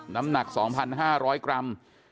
น้ำหนัก๒๕๐๐กรัม